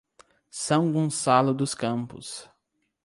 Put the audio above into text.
São Gonçalo dos Campos